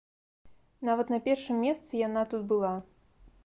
Нават на першым месцы яна тут была.